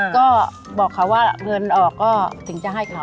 ก็บอกเขาว่าเงินออกก็ถึงจะให้เขา